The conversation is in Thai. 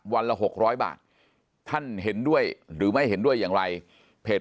ละ๖๐๐บาทท่านเห็นด้วยหรือไม่เห็นด้วยอย่างไรเพจ